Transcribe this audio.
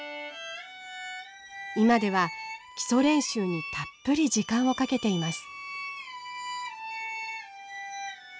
今では基礎練習にたっぷり時間をかけています。